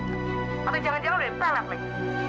atau jangan jangan udah entah lah